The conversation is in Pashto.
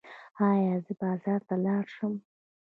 ایا زه بازار ته لاړ شم؟